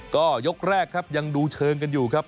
ก็ยกแรกครับยังดูเชิงกันอยู่ครับ